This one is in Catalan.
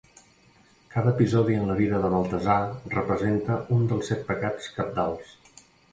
Cada episodi en la vida de Baltasar representa un dels set pecats cabdals.